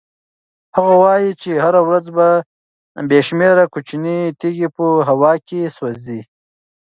هغه وایي چې هره ورځ بې شمېره کوچنۍ تېږې په هوا کې سوځي.